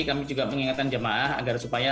kami juga mengingatkan jemaah agar supaya